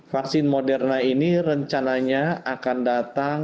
vaksin moderna ini rencananya akan datang